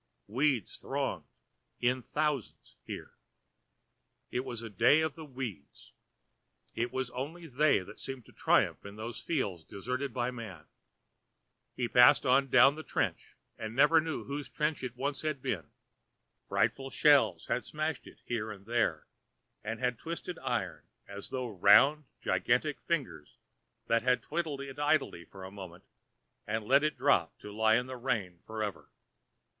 Weeds thronged, in thousands here. It was the day of the weeds. It was only they that seemed to triumph in those fields deserted of man. He passed on down the trench and never knew whose trench it once had been. Frightful shells had smashed it here and there, and had twisted iron as though round gigantic fingers that had twiddled it idly a moment and let it drop to lie in the rain for ever.